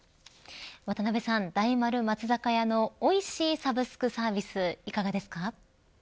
渡辺さん、大丸松坂屋のおいしいサブスクサービスいかがですか。